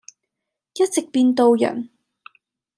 一直變到人。